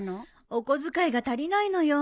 お小遣いが足りないのよ。